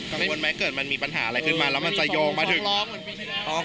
หรือโฟนแมคเกิดมันมีปัญหาอะไรกับจะยงมาถึง